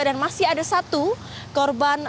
dan masih ada satu korban